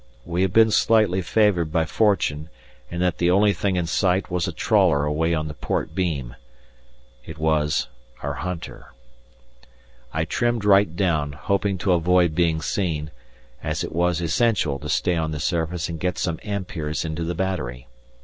We had been slightly favoured by fortune in that the only thing in sight was a trawler away on the port beam. It was our hunter. I trimmed right down, hoping to avoid being seen, as it was essential to stay on the surface and get some amperes into the battery.